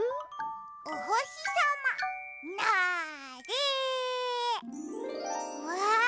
おほしさまなれ！わ！